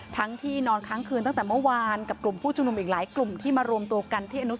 ที่นอนค้างคืนตั้งแต่เมื่อวานกับกลุ่มผู้ชุมนุมอีกหลายกลุ่มที่มารวมตัวกันที่อนุส